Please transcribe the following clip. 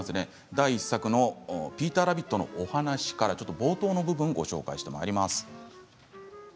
第１作の「ピーターラビットのおはなし」から冒頭の部分をご紹介してまいります。